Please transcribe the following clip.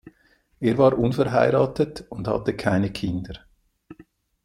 Er war unverheiratet und hatte keine Kinder.